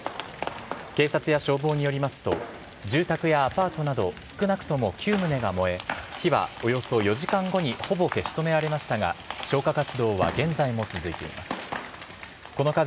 警察や消防によりますと、住宅やアパートなど少なくとも９棟が燃え、火はおよそ４時間後にほぼ消し止められましたが、消火活動は現在も続いています。